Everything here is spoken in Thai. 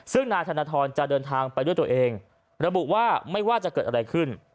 ซึ่งนายธนทรจะเดินทางไปด้วยตัวเองระบุว่าไม่ว่าจะเกิดอะไรขึ้น